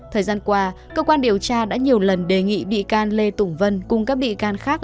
thời gian qua cơ quan điều tra đã nhiều lần đề nghị bị can lê tùng vân cùng các bị can khác